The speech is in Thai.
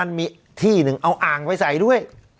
มันมีที่หนึ่งเอาอ่างไปใส่ด้วย